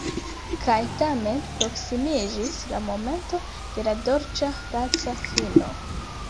Kaj tamen proksimiĝis la momento de la dolĉa laca fino.